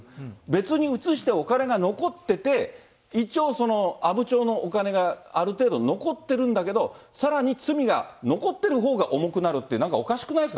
別に移してお金が残ってて、一応、阿武町のお金がある程度残ってるんだけど、さらに罪が残ってるほうが重くなるって、そうですね。